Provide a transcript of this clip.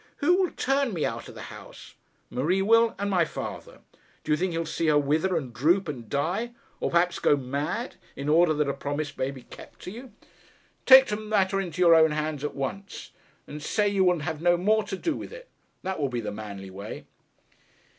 'Who will turn me out of the house?' 'Marie will, and my father. Do you think he'll see her wither and droop and die, or perhaps go mad, in order that a promise may be kept to you? Take the matter into your own hands at once, and say you will have no more to do with it. That will be the manly way.'